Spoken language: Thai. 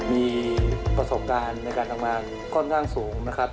มีประสบการณ์ในการทำงานค่อนข้างสูงนะครับ